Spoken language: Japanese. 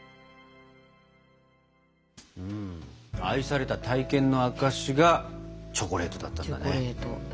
「愛された体験の証し」がチョコレートだったんだね。